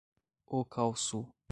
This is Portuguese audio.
Ocauçu